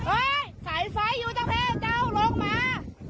เอ้ยสายไฟอยู่เจ้าเพชรเจ้าลงมา